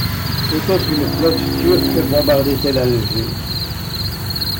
Peut-être une flotte turque bombardait-elle Alger?